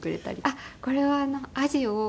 あっこれはアジを。